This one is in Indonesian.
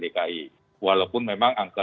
dki walaupun memang angka